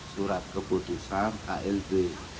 surat keputusan klb